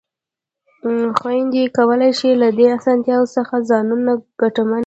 خویندې کولای شي له دې اسانتیا څخه ځانونه ګټمن کړي.